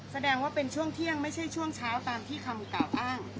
แสดงว่าเป็นช่วงเที่ยงไม่ใช่ช่วงเช้าตามที่คำกล่าวอ้าง